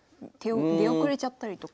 出遅れちゃったりとか。